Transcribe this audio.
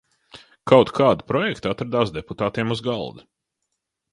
Kaut kādi projekti atradās deputātiem uz galda.